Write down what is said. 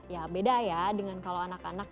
ya beda ya dengan kalau anak anak